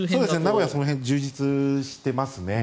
名古屋はその辺充実してますね。